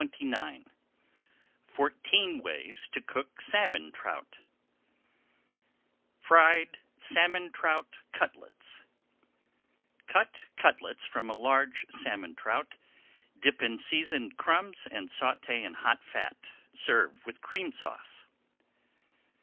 [Page 307] FOURTEEN WAYS TO COOK SALMON TROUT FRIED SALMON TROUT CUTLETS Cut cutlets from a large salmon trout, dip in seasoned crumbs, and sauté in hot fat. Serve with Cream Sauce.